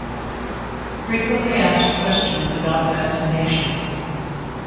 Frequently Asked Questions about Vaccination